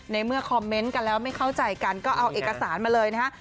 ในเมื่อคอมเมนต์กันแล้วไม่เข้าใจกันก็เอาเอกสารมาเลยนะฮะ